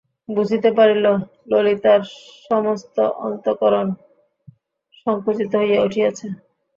বুঝিতে পারিল, ললিতার সমস্ত অন্তঃকরণ সংকুচিত হইয়া উঠিয়াছে।